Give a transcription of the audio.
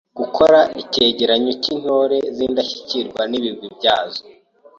Gukora icyegeranyo cy’Intore z’indashyikirwa n’ibigwi byazo